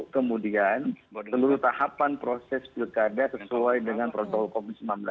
kemudian seluruh tahapan proses pilkada sesuai dengan protokol covid sembilan belas